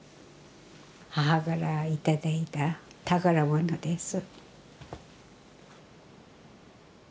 母から頂いた宝物です。